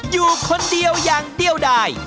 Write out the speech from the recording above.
อยู่คนเดียวอย่างเดียวได้